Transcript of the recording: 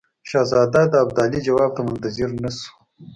شهزاده د ابدالي جواب ته منتظر نه شو.